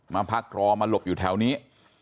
มาพักรอมาหลบอยู่แถวนี้